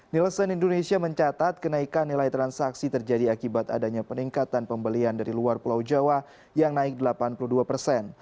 nielsen indonesia mencatat kenaikan nilai transaksi terjadi akibat adanya peningkatan pembelian dari luar pulau jawa yang naik delapan puluh dua persen